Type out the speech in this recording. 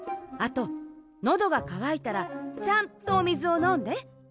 あとのどがかわいたらちゃんとおみずをのんで。